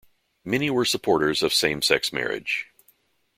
Many were supporters of same-sex marriage.